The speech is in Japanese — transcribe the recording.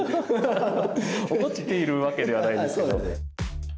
怒っているわけではないですけど。